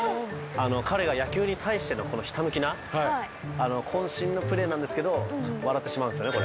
彼の野球に対してのひた向きな渾身のプレーなんですけど笑ってしまうんですよねこれ。